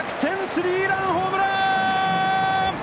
スリーランホームラン。